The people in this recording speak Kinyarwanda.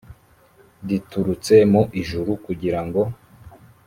riturutse mu ijuru kugira ngo